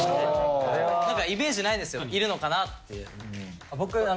何かイメージないんですよいるのかな？っていう。